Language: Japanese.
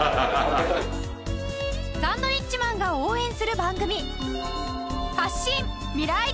サンドウィッチマンが応援する番組